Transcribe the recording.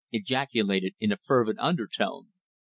ejaculated in a fervent undertone.